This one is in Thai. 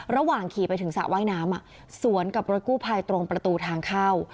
ระหว่างขี่ไปถึงสระว่ายน้ำสวนกับรถกู้ภัยตรงประตูทางเข้า